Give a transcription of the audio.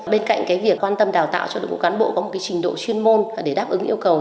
bên cạnh việc quan tâm đào tạo cho đội ngũ cán bộ có một trình độ chuyên môn để đáp ứng yêu cầu